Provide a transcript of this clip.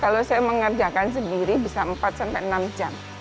kalau saya mengerjakan sendiri bisa empat sampai enam jam